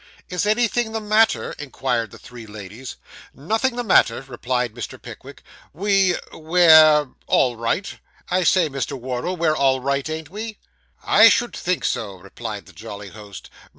'Is anything the matter?' inquired the three ladies. 'Nothing the matter,' replied Mr. Pickwick. 'We we're all right. I say, Wardle, we're all right, ain't we?' 'I should think so,' replied the jolly host.